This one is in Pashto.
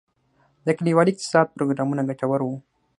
د کلیوالي اقتصاد پروګرامونه ګټور وو؟